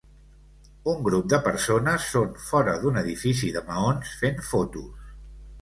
Un grup de persones són fora d'un edifici de maons fent fotos.